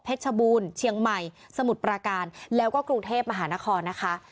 ชบูรณ์เชียงใหม่สมุทรปราการแล้วก็กรุงเทพมหานครนะคะ